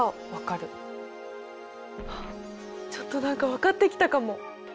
あっちょっと何か分かってきたかも。